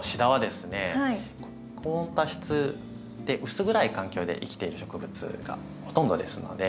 高温多湿で薄暗い環境で生きている植物がほとんどですので